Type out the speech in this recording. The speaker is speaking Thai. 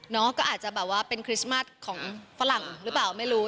ก็อาจจะแบบว่าเป็นคริสต์มัสของฝรั่งหรือเปล่าไม่รู้